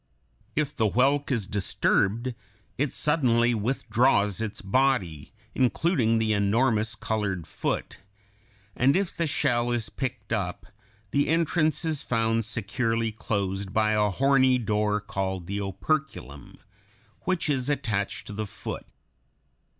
If the whelk (Fig. 99) is disturbed, it suddenly withdraws its body, including the enormous colored foot; and if the shell is picked up, the entrance is found securely closed by a horny door called the operculum, which is attached to the foot (Fig.